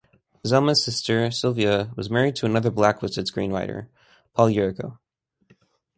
Zelma's sister, Sylvia, was married to another blacklisted screenwriter, Paul Jarrico.